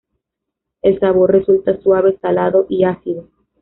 El sabor resulta suave, salado y ácido.